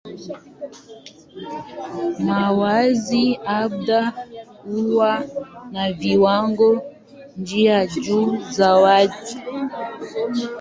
Maziwa kadhaa huwa na viwango vya juu zaidi.